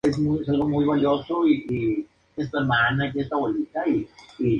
Se le conoce por una inscripción y dos menciones de Pausanias.